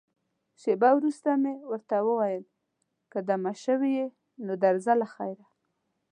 شېبه وروسته مې ورته وویل، که دمه شوې یې، نو درځه له خیره.